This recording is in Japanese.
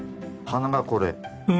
鼻がこれ。